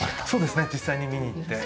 実際に見に行って。